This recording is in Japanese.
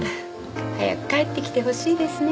早く帰ってきてほしいですね。